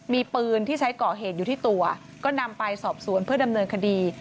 มีปืนที่ใช้ก่อเหตุอยู่ที่ตัวก็นำไปสอบสวนเพื่อดำเนินคดี